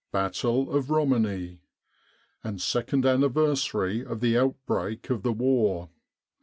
Battle of Romani, and second anniversary of the outbreak of the war.